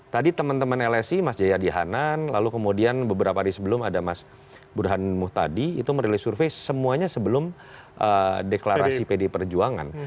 tadi teman teman lsi mas jayadi hanan lalu kemudian beberapa hari sebelum ada mas burhan muhtadi itu merilis survei semuanya sebelum deklarasi pd perjuangan